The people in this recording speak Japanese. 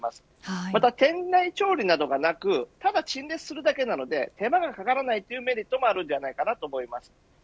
また、店内調理などがなくただ陳列するだけなので手間がかからないメリットもあると思います。